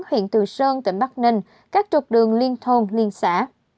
huyện từ sơn tỉnh bắc ninh các trục đường liên thôn liên xã